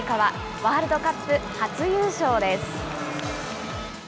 ワールドカップ初優勝です。